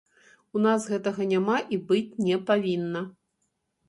У нас гэтага няма і быць не павінна.